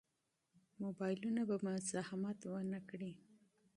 موبایلونه به مزاحمت ونه کړي.